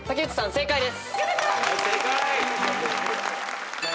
正解です。